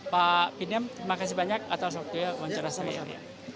pak pinem terima kasih banyak atas wawancara saya